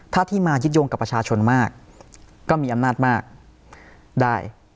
ถ้าที่มายึดโยงกับประชาชนมากก็มีอำนาจมากได้